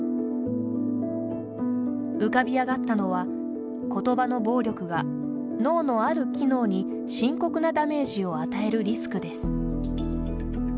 浮かび上がったのは言葉の暴力が脳のある機能に深刻なダメージを与えるリスクです。